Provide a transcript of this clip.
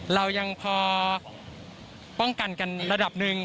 เรายังพอป้องกันกันระดับหนึ่ง